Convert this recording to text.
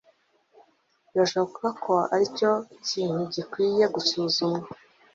Birashoboka ko aricyo kintu gikwiye gusuzumwa.